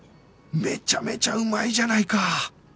めちゃめちゃうまいじゃないか